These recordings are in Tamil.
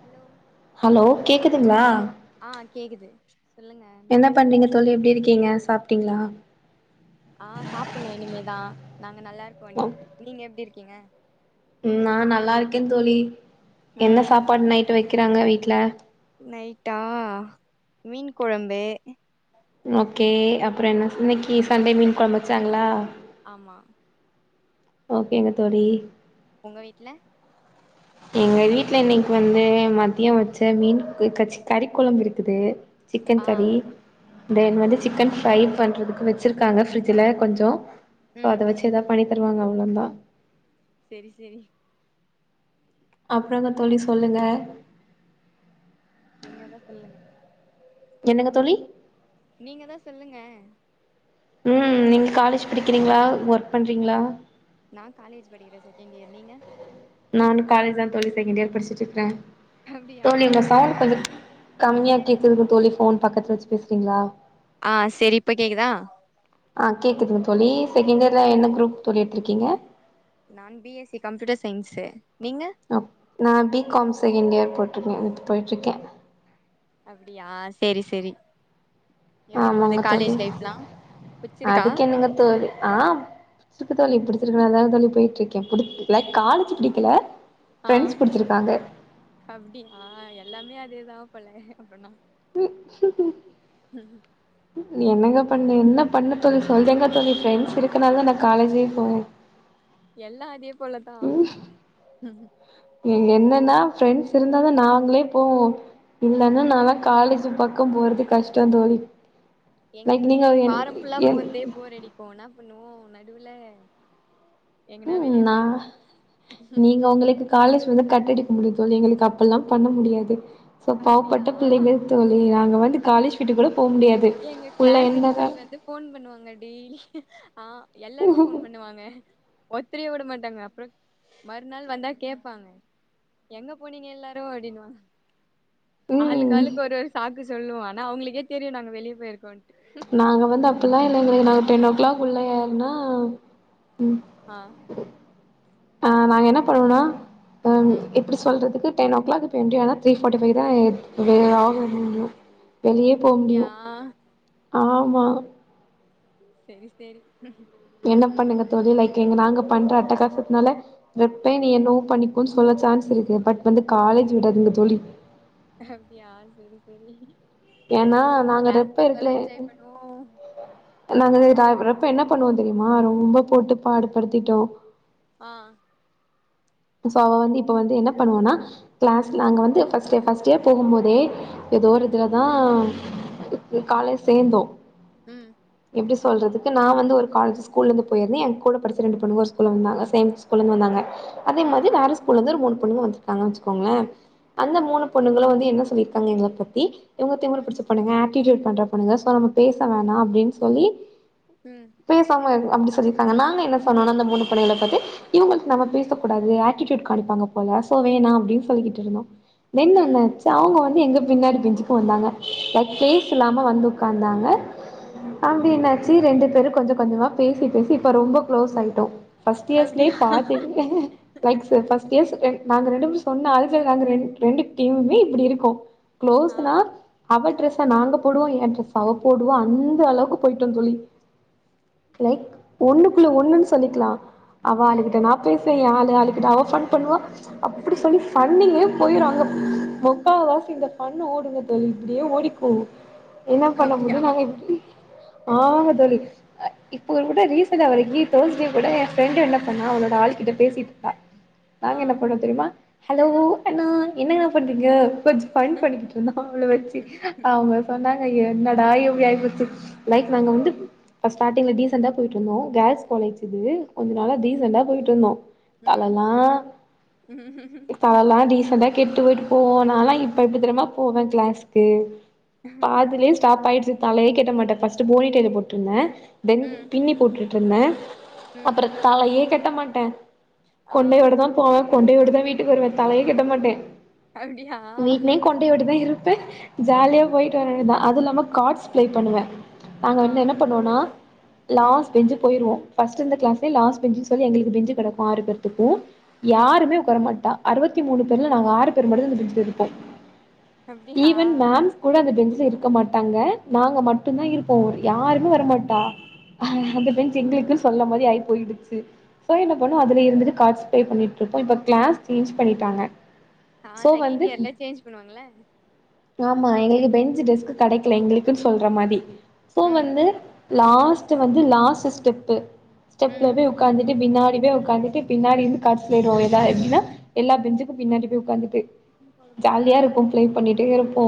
ஹலோ ஹலோ கேக்குதுங்ளா ஆ கேக்குது சொல்லுங்க என்ன பண்றீங்க தோழி எப்டி இருக்கீங்க சாப்ட்டீங்களா ஆ சாப்புட்ணு இனிமேதா நாங்க நல்லா இருக்கோ நீ நீங்க எப்டி இருக்கீங்க ம் நா நல்லா இருக்கே தோழி என்ன ம் சாப்பாடு நைட்டு வைக்கிறாங்க வீட்ல நைட்டா மீன் கொழம்பு ஓகே அப்புற என்ன இன்னைக்கு சண்டே தோச மீன் கொழம்பு வச்சாங்களா ஆமா ஓகேங்க தோழி உங்க வீட்ல எங்க வீட்ல இன்னைக்கு வந்து மத்திய வச்ச மீன் க சி கறி கொழம்பு இருக்குது சிக்கன் ஆ கறி தென் வந்து சிக்கன் ஃப்ரை பண்றதுக்கு வெச்சிருக்காங்க ஃப்ரிட்ஜ்ல கொஞ்சொ சோ ம் அத வச்சு ஏதா பண்ணி தருவாங்க அவங்க அம்மா செரி செரி அப்புறங்க அப்றோ தோழி சொல்லுங்க நீங்க எதா சொல்லுங்க என்னங்க தோழி நீங்க எதா சொல்லுங்க ம் நீங்க காலேஜ் படிக்கிறீங்களா ஒர்க் பண்றீங்களா நா காலேஜ் படிக்கிறே செகண்ட் இயர் நீங்க நானு காலேஜ் தா தோழி செகண்ட் இயர் படிச்சுட்டு இருக்குறே அப்டியா தோழி உங்க என்ன சார் கொஞ்ச கம்மியா கேக்குதுங்க தோழி ஃபோன் பக்கத்துல வெச்சு பேசுறீங்களா ஆ செரி இப்ப கேக்குதா ஆ கேக்குதுங்க தோழி செகண்ட் இயர்ல என்ன குரூப் தோழி எடுத்திருக்கீங்க நான் B S C computer science நீங்க அப் நா பி காம் செகெண்ட் இயர் போட்ருக்க இப்ப போய்ட்ருக்க அப்டியா சேரி சேரி ஆமாங்க தோழி புடிச்சிருக்கா அதுக்கென்னங்க தோழி ஆ இருக்கு தோழி இப்டி இதனால தா தோழி போய்ட்ருக்கே பிடிக்கல காலேஜு பிடிக்கல ஆ அப்டியா எல்லாமே அதேதா போல அப்பன்னா என்னங்க பண்ணு என்ன பண்ண தோழி சொல்லுங்க தோழி ஃப்ரெண்ட்ஸ் இருக்குனால தான காலேஜே போவோ எல்லா அதே போலதா என்னன்னா ஃபிரெண்ட்ஸ் இருந்தா நாங்களே போவோ இல்லன்னா நாலா காலேஜ் பக்கோ போறது கஷ்டோ தோழி லைக் எங்களுக்கே நீங்க என் வாரோ ஃபுல்லா என் போறதே போர் அடிக்கு என்ன பண்ணுவோ நடுவுல எங்கனா ம் ம் வெளிய நா போயிடுவோ நீங்க உங்களுக்கு காலேஜ் வந்து கட்டடிக்க முடியு தோழி எங்களுக்கு அப்பல்லா பண்ண முடியாது சோ அப்டியா பாவப்பட்ட பிள்ளைங்க தோழி நாங்க வந்து காலேஜ் விட்டு கூட போ முடியாது எங்க உள்ள க்ளஸ் எந்த க இன்சார்ஜ் வந்து ஃபோன் பண்ணுவாங்க டெய்லி ஆ எல்லாருக்கு ஃபோன் பண்ணுவாங்க ஒத்திரையு விட மாட்டாங்க அப்புறோ மறுநாள் வந்தா கேப்பாங்க எங்க போனீங்க எல்லாரு அப்டின்னுவாங்க ம் ஆளுக்காளுக்கு ஒரு ஒரு சாக்கு சொல்லுவோ ஆனா அவங்களுக்கே தெரியு நாங்க வெளிய போயிருக்கோனு நாங்க வந்து அப்டில்லா இல்லங்க தோழி நாங்க டென் ஓ க்ளாக் உள்ள ஏறுனா ஆ ஆ நாங்க என்ன பண்ணுவோனா ஆ ம் எப்டி சொல்றதுக்கு டென் ஓ க்ளாக் [unintelligible] ஆனா த்ரீ ஃபாரட்டி பைவ் தா [unintelligible] முடியு அப்டியா ஆமா சரி சரி என்ன பண்ணுங்க தோழி லைக் எங்க நாங்க பண்ற அட்டகாசத்னால இப்ப நீ என்னவோ பண்ணிக்கோ சொல்ல சான்ஸ் இருக் இருக்கு பட் வந்து காலேஜ் விடாதுங்க தோழி அப்படியா செரி செரி ஏன்னா நா நாங்க கிளாஸ் ரெப்ப இருக்குல [inaudible] என்ஜாய் பண்ணுவோ நாங்க இது [unintelligible] என்ன பண்ணுவோ தெரிமா ரொம்ப போட்டு பாடு படுத்திட்டோ ஆ சோ அவ வந்து இப்ப வந்து என்ன பண்ணுவனா கிளாஸ் அங்க வந்து ஃபர்ஸ்டே ஃபஸ்ட் இயர் போகும் போதே எதோ ஒரு ம் இதுலதா காலேஜ் சேந்தோ ம் எப்படி சொல்றதுக்கு நா வந்து ஒரு காலேஜ் ஸ்கூலந்து போயிருந்தே எங்க கூட படிச்ச ரெண்டு பொண்ணுங்க ஒரு ஸ்கூல வந்தாங்க சேம் ஸ்கூலந்து வந்தாங்க அதே ம் மாரி வேற ஸ்கூல்லருந்து ஒரு மூணு பொண்ணுங்க வந்துருக்காங்க வச்சுக்கோங்களே ஆ அந்த மூணு பொண்ணுங்களு வந்து என்ன சொல்லியிருக்காங்க எங்க அப்பாத்தி இவுங்க திமுரு ம் பிடிச்ச பொண்ணுங்க [unintelligible] பண்ற பண்ணுங்க சோ நம்ம பேச வேணா அப்டின் சொல்லி ம் பேசாம அப்டி சொல்லிருக்காங்க நாங்க என்ன சொன்னோனா அந்த மூணு பணியாள தட்டு பத்தி இவுங்களுது நம்ம பேச கூடாது ஆட்டிடூட் காணிப்பாங்க போலோ சோ வேணா அப்படின்னு சொல்லிக்கிட்டு இருந்தோ தென் ம் என்னாச்சு அவங்க வந்து எங்க பின்னாடி பெஞ்சுக்கு வந்தாங்க லைக் ஆ பிளேஸ் இல்லாம வந்து உக்காந்தாங்க அப்டியென்னாச்சி ரெண்டு பேரு கொஞ்ச கொஞ்சமா பேசி பேசி இப்ப ரொம்ப களோஸ் ஆயிட்டோம் ஃபர்ஸ்ட் இயர்ஸ்லே அப்டியா பாத்து லைக்ஸு ஃபர்ஸ்ட் இயர்ஸ் ரென் நாங்க ரெண்டு பேரு சொன்ன [unintelligible] ரெண் ரெண்டு டீமுமே இப்படி இருக்கோ ஆ கு்ளோஸ்ஸுனா அவ ட்ரெஸ்ஸ நாங்க போடுவோ ஏ ட்ரெஸ்ஸ அவ போடுவா அந்த அளவுக்கு போயிட்டோ தோழி லைக் ஒண்ணுக்குள்ள ஒண்ணுன்னு சொல்லிக்கலா அவ ம் ஆளுகிட்ட நா பேச ஏ ஆளு ஆளுகிட்ட அவ போன் பண்ணுவா அப்படி சொல்லி பன்னிங்கே போயிரு அங்கப் முக்கா வாசி இந்த ஃபன் ஓடுங்க தோழி இப்படியே ஓடிப்போவோ என்ன பண்ண அப்டியா முடியு நாளைக்கி ஆங்க தோழி அ இப்போ ஏ கூட ரீசெண்டா அவளக்கி தேர்ஸ்டே கூட ஏ ஃப்ரெண்டு என்ன பண்ணா அவனோட ஆளுகிட்ட பேசு அ ஆ நாங்க என்ன பண்ணோ தெரியுமா ஹலோ அண்ணா என்னண்ணா பண்றீங்க கொஞ் ஃபன் பண்ணிக்கிட்டுருந்தா அவள வச்சு அவுங்க சொன்னாங்க என்னடா இப்டி ஆயி போச்சி லைக் நாங்க வந்து ப்ப ஸ்டார்டிங்ல டீசண்டா போயிட்டுருந்தோ கேர்ள்ஸ் காலேஜ் இது கொஞ்ச நால்லா டீசண்டா போயிட்டுருந்தோ ம் ஆதல்லா ம் இப்ப அதல்லா டீசன் நடந்தா கெட்டு போயிட்டு போவோ நாலா இப்ப இப்டி தெர்மா போவே கிளாஸுக்கு பாதிலே ஸ்டாப் ஆயிடுச்சு தலையே கேட்ட மாட்டே ஃபர்ஸ்ட் போனி டையல் போட்ருந்தே தென் ம் பின்னி போட்டுட்டுருந்தே ம் அப்புறோ தலையே கட்ட மாட்ட ஆ கொண்டையோட தா போவ கொண்டையோட தா வீட்டுக்கு வருவே தலையே கட்ட மாட்ட அப்டியா வீட்லேயு கொண்டையோ தா இருப்ப ஜாலியா போயிட்டு வர வேண்தா அதுல்லா ம்ம கார்ட்ஸ் பிளே பண்ணுவே நாங்க ஆ வந்து என்ன பண்ணுவோனா ம் லாஸ்ட் பெஞ்சு போயிிருவோம் ஃபஸ்ட் இந்த கிளாஸ்லே லாஸ்ட் பெஞ்சின் சொல்லி எங்ளுக்கு பெஞ்சு கடக்கு ஆறு பேத்துக்கு ம் யாருமே உக்கர மாட்டா அறுபத்தி மூணு பேர்ல நாங்க ஆறு பேர் மட்டுதா அந்த பெஞ்ல இருப்போ அப்டியா ஈவன் மேம் கூட அந்த பெஞ்சு ஞ்சில இருக்க மாட்டாங்க நாங்க மட்டு தா இருப்போ யாருமே வரமாட்டா ம் அந்த பெஞ்சு எங்களுக்குன்னு சொல்ல மாரி ஆகி போயிடுச்சு சோ என்ன பண்ணோ அதுலருந்துட்டு கார்ட்ஸ் பே பண்ணிட்டுருப்பே இப்ப கிளாஸ் சேஞ்ச் பண்ணிட்டாங்க ஆ சோ வந்து செகண்டியர்ல சேஞ்ச் பண்ணுவாங்கள ஆமா எங்குளுக்கு பெஞ்சு டெஸ்க்கு கெடைக்கல எங்குளுக்குன்னு சொல்ற மாரி சோ ம் வந்து லாஸ்ட் வந்து லாஸ்ட் ஸ்டெப்பு ஸ்டெப்ல ம் போய் உக்காந்துட்டு பின்னாடி போய் உக்காந்துட்டு பின்னாடி இருந்து காட்ஸ் தேடுவோ எதாவ் எப்டின்னா எல்லா பெஞ்சு பின்னாடி போய் உக்காந்துட்டு ஜாலியாருப்போ ம் ப்ளே பண்ணிட்டே இருப்போ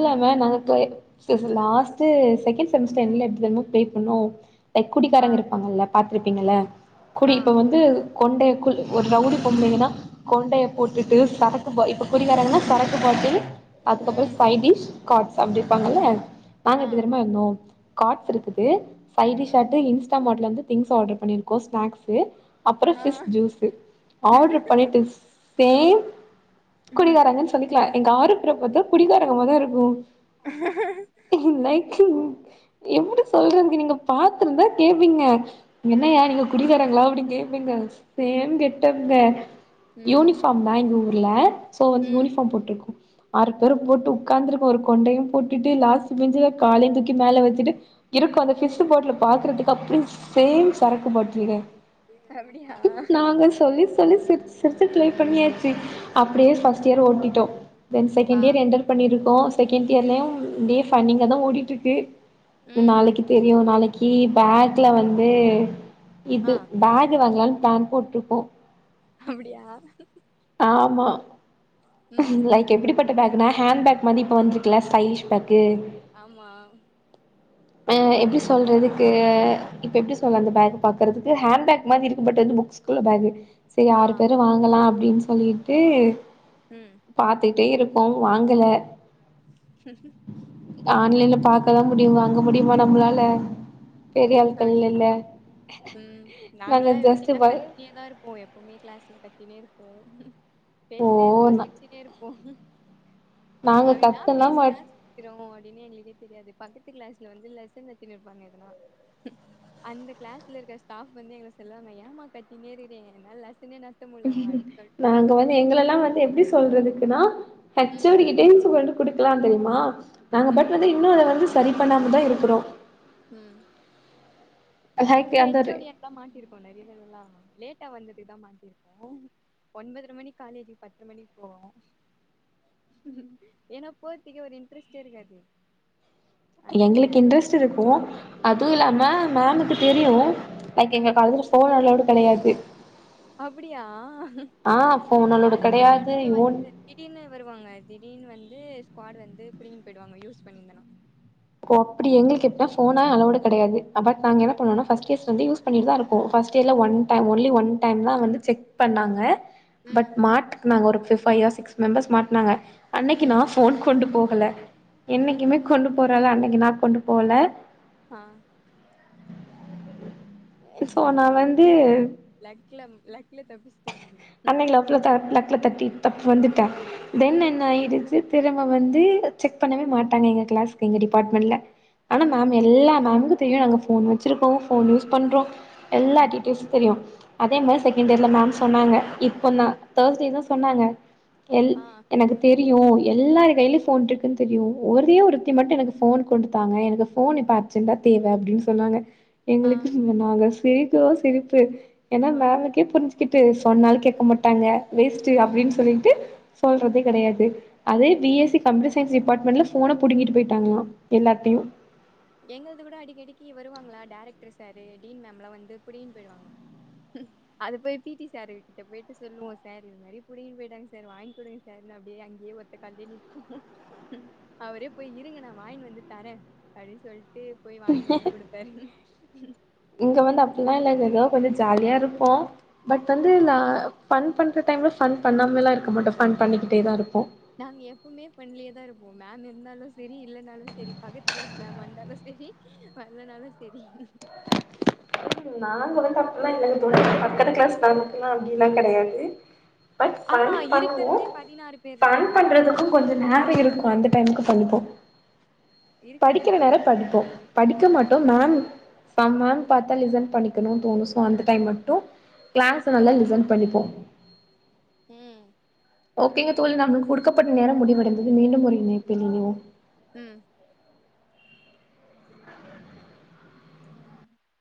ம் நாங்க ப்ளே செரி செரி லாஸ்ட்டு செகண்ட் செமஸ்டர்ன்ல எப்டி தெரியுமா ப்ளே பண்ணோ லைக் ஆ குடிக்காரங்க இருப்பாங்கல்ல பாத் துருப்பீங்கல்ல குடி ஆ இப்ப வந்து கொண்டைக்குள் ஒரு ரவுடி பொம்பளைங்ககன்னா கொண்டைய குள் ஒரு ரவுடி பொம்பளைங்கன்னா கொண்டவையே போட்டுட்டு சரக்குப் பாட் இப்ப குடிகாரங்கன்னா சரக்கு பாட் ட்டில் அதுக்கப்றோ ம் சைடிஷ் காட்ஸ் அப்டி இருப்பாங்கல்ல நாங்க ஆ எப்டி தெரியுமா இருந்தோ கார்ட்ஸுருக்குது சைடிஷாட்டு இன்ஸ்டாமார்ட் ட்லருந்து திங்ஸ் ஆர்டர் பண்ணியிருக்கோ ஸ்நாக்ஸு அப்றோ ஆ ஃபிஸ் ஜூஸு ஆர்டர் பண்ணிட்டு சேம் ம் குடிகாரங்கன்னு சொல்லிக்கலா எங்க ஆறு பேரயு பாத்தா குடிகாரங்க மாரிதா இருக்கு லைக்கு என்னடி சைடுல நீங்க பாத்துருந்தா கேபீங்க ம் என்னய்யா நீங்க குடிக்காரங்களா அப்டின்னு கேப் ங்க சேம் கெட்டப்ங்க ம் யூனிஃபார்ம் தா எங்க ஊர்ல சோ வந்து ம் யூனிஃபார்ம் போட்ருக்கோ ஆறு பேரு போட்டு உக்காந்துருக்கோ ஒரு கொண்டையு போட்டுட்டு லாஸ்ட்டு பெஞ்சுல காலையு தூக்கி மேல வெச்சுட்டு இருக்கு அந்த ஃபிஸ்ஸு பாட்டலு பாக்கறதுக்கு அப்டே சேம் சரக்கு பாட்லுங்க அப்பிடியா சொல்லி சிரிச்சு சிரிச்சு ட்ரை பண்ணியாச்சு அப்டியே ஃபஸ்டியர் ஓட்டிட்டோ தென் ஆ செகண்டியர் என்டர் பண்ணியிருக்கோ செகண்ட் இயர்லயு இப்டியே ஃபன்னிங்கா தா ஓடிட்டுருக்கு ம் நாளைக்கி தெரியு நாளைக்கி பேக்ல வந்து இது ஆ பேக் வாங்கலான்னு ப்ளான் போட்ருக்கோ அப்பிடியா ஆமா லைக் எப்பிடிப்பட்ட பேக்னா ஹேண்ட் பேக் மாரி இப்ப வந்துருக்குல்ல ஸ்டைலிஷ் பேக் ஆமா ஆ எப்டி சொல்றதுக்கு இப்ப எப்டி சொல்ல அந்த பேக் பாக்கறதுக்கு ஹேண்ட் பேக் இன்னாது இருக்க பட் வந்து புக்ஸ்குள்ள பேக்கு செரி ஆ ஆறு பேரு வாங்கலா அப்டின் சொல்லிட்டு ம் பாத்துட்டே இருப்கோ வாங்கல ம் ஹ்ம் ஆன்லைன்ல பாக்கதா முடியு வாங்க முடியுமா நம்ளால பெரிய ஆட்கள் அப்டியா இல்ல ம் நாங்க நாங்கல்லா ஜஸ்ட் எப்டின்னா வ கத்தினேதா இருப்போ எப்பவுமே கிளாஸ்ல கத்தினே இருப்போ ஓ பேசினே இருப்போ, சிரிச்சினே இருப்போ நாங்க அப்டி என்னா கத்தலா பேசி என்னா மாட் சிரிக்கிறோ அப்டின்னு எங்களுக்கே தெரியாது பக்கத்து கிளாஸ்ல வந்து லெசன் எத்துனுருப்பாங்க எதுனா அந்த கிளாஸ்ல இருக்க ஸ்டாஃப் வந்து எங்கள சொல்லுவாங்க ஏமா கத்தினே இருக்குறீங்க எங்களால லெஸ நாங்க வந்து எங்கலெல்லா வந்து எப்டி சொல்றதுக்குன்னா ஹச் ஓ ம் டி கிட்டயு ஸ் கொண்டு குடுக்கலா தெரியுமா, நாங்க ம் பட் வந்து இன்னு அத வந்து சரி பண்ணாமதா இருக்குறோ ம் நாங்க லைக் கூட அந்த எச் ஓ டி யாண்டலா மாட்டிருக்கோ நெறய தடவலா லேட் லேட்டா வந்ததுக்குதா மாட்டிருக்கோ ஒன்பதர மணிக்கு காலேஜிக்கு பத்து மணிக்கு போவோ ஏன்னா போறத்துக்கே ஒரு இன்ட்ரெஸ்ட் இருக்காது அதனால எங்களுக்கு இன்ட்ரெஸ்ட் இருக்கு அதும் இல்லாம மேமுக்கு தெரியு லைக் எங்க ம் காலேஜ்ல ஃபோன் அல்லோடு கெடையாது அப்டியா ஆ எங்க ஃபோன் அலோடு காலேஜ்ல கெடையாது நடுல யூ வந்துட்டு திடீர்னு வருவாங்க திடீர்னு வந் ந்து ஸ்குவாட் வந்து பிடிங்கினு போய்டுவாங்க யூஸ் பண்ணிருந்தனா ஓ அப்டியா, எங்களுக்கு எப்டினா ஃபோன்லா அலோடு கெடையாது பட் நாங்க என்ன பண்ணுவோன்னா ஃபர்ஸ்ட் இயர்ஸ்லந்து யூஸ் பண்ணிட்டுதா இருப்போ ஃப ஃபர்ஸ்ட் இயர் ல one time only one time தா வந்து செக் பண்ணாங்க ம் பட் மாட்னாங்க ஒரு பி ஃபைவ் ஆர் சிக்ஸ் மெம்பர்ஸ் மாட்னாங்க அன்னைக்கு ம் நா ஃபோன் கொண்டு போ ல என்னைக்குமே கொண்டு போற ஆளு அன்னைக்கி நா கொண்டு போல ஆ சோ நா வந்து லக்ல லக்ல தப்பிச் அன்னைக்கு லப்ல த லக்ல தட்டி தப்பு வந்துட்டே தென் ம் என்ன ஆயிடுச்சு திரும்ப வந்து செக் பண்ணவே மாட்டாங்க எங்க கிளாஸ்க்கு எங்க டிபார்ட்மெண்ட்ல ஆனா ம் மேம் எல்லா மேமுக்கு தெரியு நாங்க ஃபோன் வச்சிருக்கோ ஃபோன் யூஸ் பண்றோ எல்லா டீட்டியல்ஸ் தெரியு அதே மாரி செகண்ட் இயர்ல மேம் சொன்னாங்க இப்ப தா தேர்ஸ்டே தா சொன்னாங்க எல் ஆ எனக்கு தெரியு எல்லார் கையிலயு ஃபோன் இருக்குன்னு தெரியு ஒரே ஒருத்தி மட்டு எனக்கு ஃபோன் போட்டு தாங்க எனக்கு ஃபோன் அர்ஜண்ட்டா தேவ அப்டின்னு சொன்னாங்க ஆ எங்களுக்கு நாங்க சிரிக்கிறோ சிரிப்பு ஏன்னா ஆ மேமுக்கே புரிஞ்சி கிட்டு சொன்னாலு கேட்க மாட்டாங்க வேஸ்ட் அப்டின்னு சொல்லிட்டு சொல்றதே கெடையாது அதே பிஎஸ்சி கம்ப்யூட்டர் சயின்ஸ் டிபார்ட்மெண்ட்ல ஃபோன புடுங்கிட்டு போயிட்டாங்களா எல்லார்ட்டையு எங்கள்து கூட அடிக்கடிக்கு வருவாங்களா டேரக்டர் சாரு டீன் மேம் லா வந்து புடிங்கினு போயிடுவாங்க அது போய் பி டி சார் கிட்ட போயிட்டு சொல்லுவோ சார் இது மாரி புடிங்கிட்டு போயிட்டாங்க சார் வாங்கி குடுங்க சார்னு அப்படியே அங்கேயே ஒத்த கால்லேயே நிப்போ, அவரே போய் இருங்க நா வாங்கிட்டு வந்து தரே அப்டின்னு சொல்லிட்டு போய் வாங்கினு வந்து குடுப்பாரு இங்க வந்து அப்டில்லா இல்ல ஏதோ கொஞ்சோ ஜாலியா இருப்போ பட் வந்து நா ஃபன் பண்ற டைம்ல ஃபன் பண்ணாமல்லா இருக்க மாட்டோ ஃபன் பண்ணிக்கிட்டே தா இருப்போ நாங்க எப்பவுமே ஃபன்லயே தா இருப்போ மேம் இருந்தாலு சேரி இல்லைனாலும் சேரி பக்கத்து கிளாஸ் மேம் வந்தாலு சேரி சேரி வர்லனாலு சேரி ம் நாங்க வந்து அப்டில்லா இல்லங்க தோழி, பக்கத்து கிளாஸ் மேம்க்குல்லா அப்படிலா கெடையாது பட் ஆஹா ஃபன் பண்ணுவோ இருக்கிறதே பதினாறு பேர் தா ஃபன் ஆனா அது பண்றதுக்கு கொஞ்ச சவுண்ட் நேரம் இருக்கு அந்த டைமுக்கு பண்ணிப்போ இருக்கறதே படிக்கிற நேரம் பதினாறு பேர் படிப்போ படிக்க மாட்டோ மேம் சம் மேம் பாத்தா லிசன் பண்ணிக்கணுனு தோணு சோ அந்த டைம் மட்டு கிளாஸ் நல்லா லிசன் பண்ணிப்போ ம் ஓகேங்க தோழி நம்மளுக்கு குடுக்கப்பட்ட நேரம் முடிவடைந்தது மீண்டும் ஒரு இணைப்பில் இணைவோம் ம்